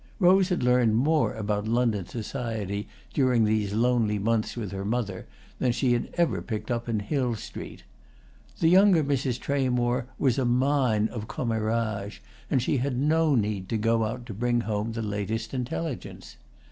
Rose had learnt more about London society during these lonely months with her mother than she had ever picked up in Hill Street. The younger Mrs. Tramore was a mine of commérages, and she had no need to go out to bring home the latest intelligence.